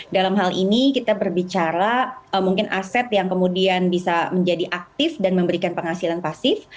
dalam hal ini kita berbicara mungkin aset yang kemudian bisa menjadi aktif dan memberikan penghasilan pasif